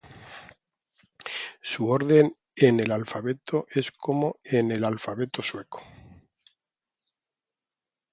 Su orden en el alfabeto es como en el alfabeto sueco.